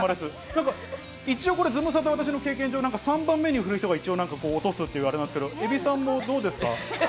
なんか一応、これ、ズムサタ、私の経験上、３番目に古い人が一応なんか、落とすっていわれてますけど、海老さんも、どうですか？